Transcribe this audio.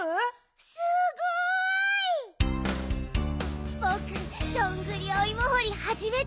すごい！ぼくどんぐりおいもほりはじめて！